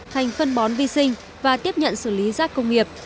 thành phân bón vi sinh và tiếp nhận xử lý rác công nghiệp